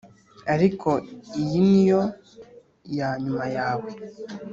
ariko iyi niyo yanyuma yawe